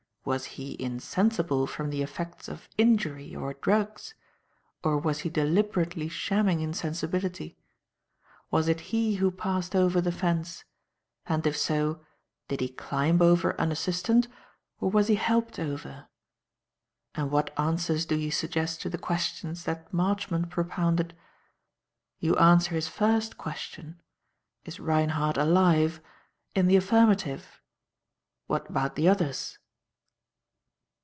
Was he insensible from the effects of injury or drugs? Or was he deliberately shamming insensibility? Was it he who passed over the fence? and if so, did he climb over unassisted or was he helped over? And what answers do you suggest to the questions that Marchmont propounded? You answer his first question: 'Is Reinhardt alive?' in the affirmative. What about the others?"